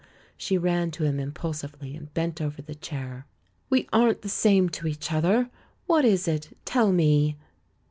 She ran to him impulsively and bent over the chair. "We aren't the same to each other! What is it? Tell me!"